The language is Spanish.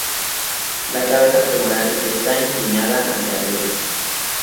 La cabeza femoral está inclinada hacia arriba.